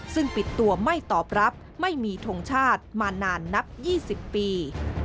ซึ่งปิดตัวไม่ตอบรับไม่มีทงชาติมานานนับ๒๐ปี